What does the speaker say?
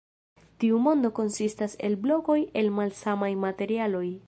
Tiu mondo konsistas el blokoj el malsamaj materialoj.